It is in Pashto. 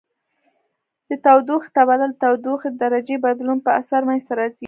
د تودوخې تبادل د تودوخې د درجې بدلون په اثر منځ ته راځي.